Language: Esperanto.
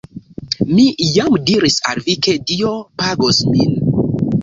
Mi jam diris al vi ke Dio pagos min